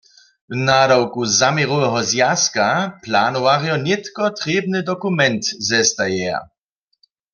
W nadawku zaměroweho zwjazka planowarjo nětko trěbny dokument zestajeja.